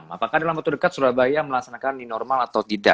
apakah dalam waktu dekat surabaya melaksanakan new normal atau tidak